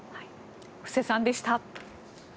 布施さんでした。